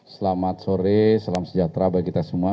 selamat sore salam sejahtera bagi kita semua